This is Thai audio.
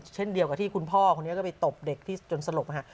เช่นเดียวกับที่คุณพ่อคนนี้ก็ไปตบเด็กที่จนสลบ